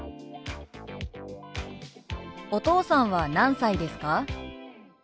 「お父さんは何歳ですか？」。